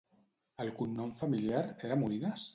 El cognom familiar era Molines?